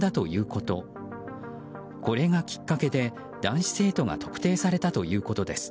これがきっかけで男子生徒が特定されたということです。